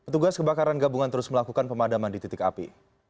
tugas kebakaran gabungan terus melakukan pemadaman di titik api